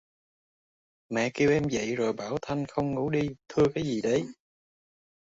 Mẹ kêu em dậy rồi bảo thanh không ngủ đi thưa cái gì đấy